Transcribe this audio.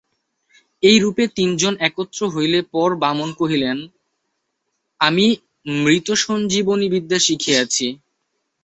এই রূপে তিন জন একত্র হইলে পর বামন কহিলেন, আমি মৃতসঞ্জীবনী বিদ্যা শিখিয়াছি।